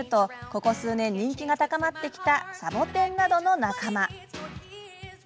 ここ数年、人気が高まってきたサボテンなどの仲間。